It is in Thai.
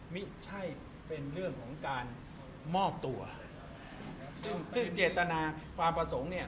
ไม่ใช่เป็นเรื่องของการมอบตัวซึ่งซึ่งเจตนาความประสงค์เนี่ย